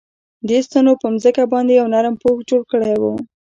دې ستنو په ځمکه باندې یو نرم پوښ جوړ کړی و